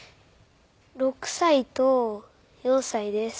６歳と４歳です。